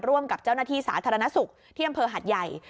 ร่วมกับเจ้าหน้าที่สาธารณสุขที่อำเภอหัดใหญ่